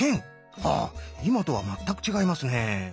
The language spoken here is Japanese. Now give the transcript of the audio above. あ今とは全く違いますね。